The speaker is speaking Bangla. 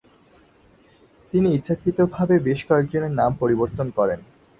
তিনি ইচ্ছাকৃতভাবে বেশ কয়েকজনের নাম পরিবর্তন করেন।